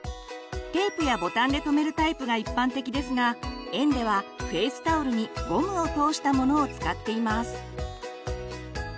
テープやボタンで留めるタイプが一般的ですが園ではフェイスタオルにゴムを通したものを使っています。